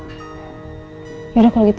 ya kalau gitu aku mau pergi